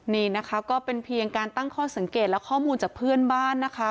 นี่นะคะก็เป็นเพียงการตั้งข้อสังเกตและข้อมูลจากเพื่อนบ้านนะคะ